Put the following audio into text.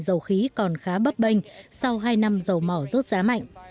ngành dầu khí còn khá bấp bênh sau hai năm dầu mỏ rớt giá mạnh